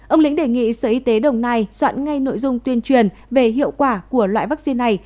ông lĩnh đề nghị sở y tế đồng nai soạn ngay nội dung tuyên truyền về hiệu quả của loại vaccine này